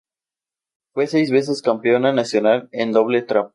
Fue seis veces campeona nacional en doble trap.